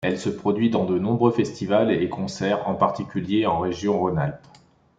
Elle se produit dans de nombreux festivals et concerts, en particulier en région Rhône-Alpes.